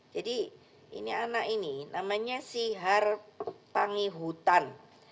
jadi ini anak ini namanya sihar pangihutan